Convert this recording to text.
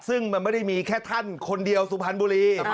ซึ่งมันไม่ได้มีแค่ท่านคนเดียวสุพรรณบุรี